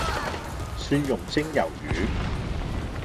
蒜茸蒸魷魚